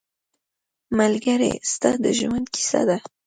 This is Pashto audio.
ملګری ستا د ژوند کیسه ده